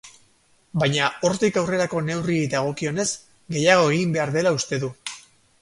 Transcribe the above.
Baina hortik aurrerako neurriei dagokionez, gehiago egin behar dela uste du.